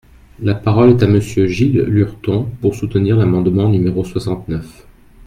La parole est à Monsieur Gilles Lurton, pour soutenir l’amendement numéro soixante-neuf.